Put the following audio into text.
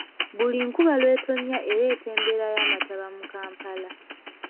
Buli nkuba lw’etonnya ereeta embeera y’amataba mu Kampala.